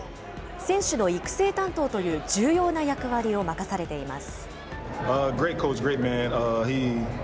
選手の育成担当という重要な役割を任されています。